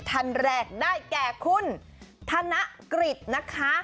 ท่านแรกได้แก่คุณธนกฤษนะคะ